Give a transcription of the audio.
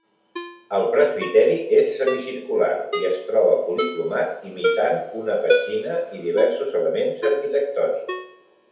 El presbiteri és semicircular i es troba policromat, imitant una petxina i diversos elements arquitectònics.